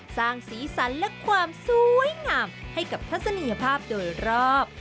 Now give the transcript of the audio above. สร้างสีสันและความสวยงามให้กับทัศนียภาพโดยรอบ